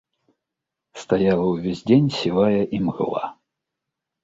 Стаяла ўвесь дзень сівая імгла.